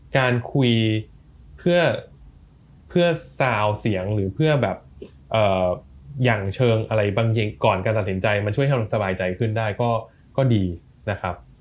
การคุยเพื่อซาวเสียงหรือเพื่อแบบอย่างเชิงอะไรบางอย่างก่อนการตัดสินใจมันช่วยให้เราสบายใจขึ้นได้ก็ดีนะครับ